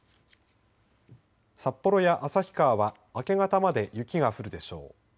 札幌や旭川は明け方まで雪が降るでしょう。